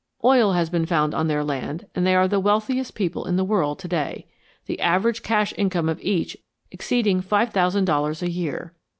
Oil has been found on their land and they are the wealthiest people in the world to day, the average cash income of each exceeding five thousand dollars a year.